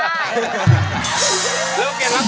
แล้วเขียนรับทรายด้วยนะ